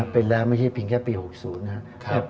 เป็นแล้วไม่ใช่เพียงแค่ปี๖๐นะครับ